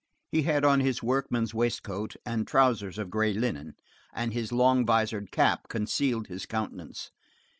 He had on his workman's waistcoat, and trousers of gray linen; and his long visored cap concealed his countenance.